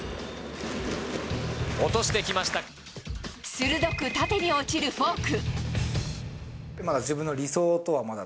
鋭く縦に落ちるフォーク。